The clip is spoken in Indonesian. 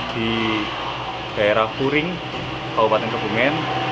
di daerah puring kabupaten kebumen